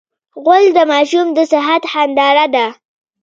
غول د ماشوم د صحت هنداره ده.